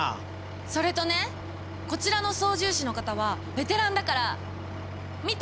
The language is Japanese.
それとねこちらの操縦士の方はベテランだから見て！